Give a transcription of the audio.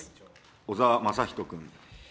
小沢雅仁君。